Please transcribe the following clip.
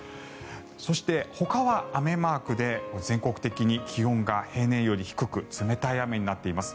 そして、ほかは雨マークで全国的に気温が平年より低く冷たい雨になっています。